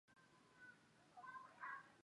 育婴假期间